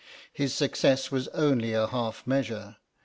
His success was only a half measure.